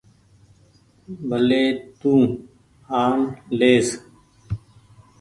ڀلي تو آن ليس۔